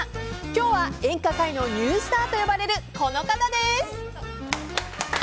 今日は演歌界のニュースターと呼ばれるこの方です。